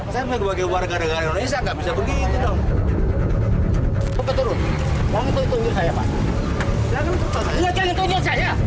saya sebagai warga negara indonesia nggak bisa begitu dong